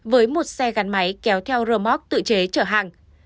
với một xe gắn máy kéo theo rơ móc tự chế chở hàng